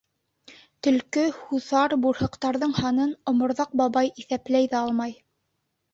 Төлкө, һуҫар, бурһыҡтарҙың һанын Оморҙаҡ бабай иҫәпләй ҙә алмай.